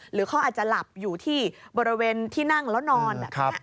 หรือเขาอาจจะหลับอยู่ที่บริเวณที่นั่งแล้วนอนแบบนี้